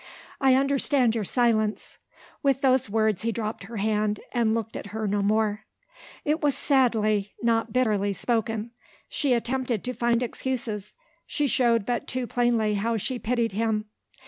"I understand your silence." With those words he dropped her hand, and looked at her no more. It was sadly, not bitterly spoken. She attempted to find excuses; she showed but too plainly how she pitied him.